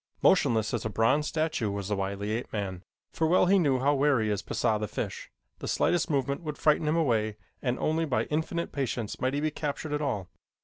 Motionless as a bronze statue was the wily ape man, for well he knew how wary is Pisah, the fish. The slightest movement would frighten him away and only by infinite patience might he be captured at all.